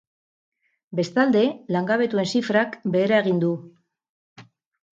Bestalde, langabetuen zifrak behera egin du.